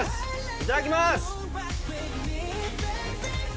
いただきます！